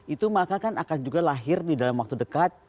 itu maka kan akan juga lahir di dalam waktu dekat